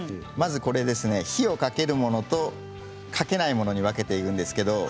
火をかけるものとかけないものに分けています。